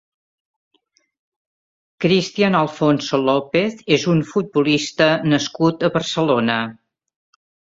Christian Alfonso López és un futbolista nascut a Barcelona.